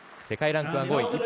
世界ランクは５位。